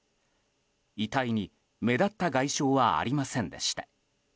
遺体に目立った外傷はありませんでした。